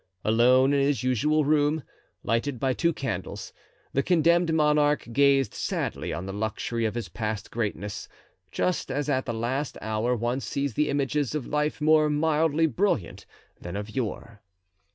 Alone in his usual room, lighted by two candles, the condemned monarch gazed sadly on the luxury of his past greatness, just as at the last hour one sees the images of life more mildly brilliant than of yore.